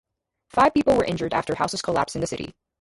Five people were injured after houses collapsed in the city.